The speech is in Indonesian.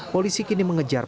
polisi kini mengejar pak